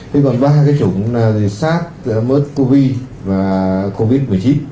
thế còn ba cái chủng là sát mất covid và covid một mươi chín